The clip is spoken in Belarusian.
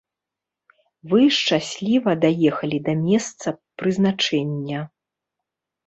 Вы шчасліва даехалі да месца прызначэння.